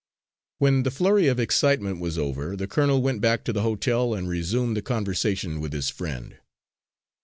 When the flurry of excitement was over, the colonel went back to the hotel and resumed the conversation with his friend.